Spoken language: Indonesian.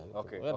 nggak ada masalah